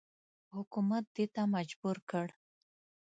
حکومت دې ته مجبور کړ.